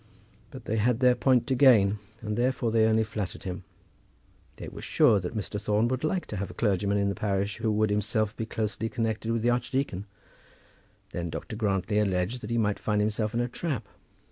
But they had their point to gain, and therefore they only flattered him. They were sure that Mr. Thorne would like to have a clergyman in the parish who would himself be closely connected with the archdeacon. Then Dr. Grantly alleged that he might find himself in a trap.